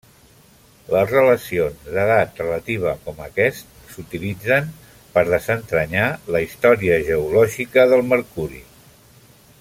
Les relacions d'edat relativa com aquest s'utilitzen per desentranyar la història geològica de Mercuri.